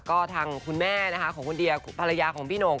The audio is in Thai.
ก็ทางคุณแม่นะคะของคุณเดียภรรยาของพี่หน่ง